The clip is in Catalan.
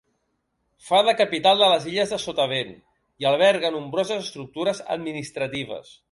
Fa de capital de les Illes de Sotavent, i alberga nombroses estructures administratives.